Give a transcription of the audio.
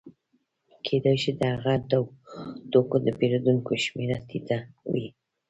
کېدای شي د هغه توکو د پېرودونکو شمېره ټیټه وي